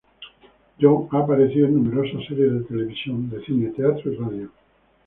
John ha aparecido en numerosas series de televisión, en cine, teatro y radio.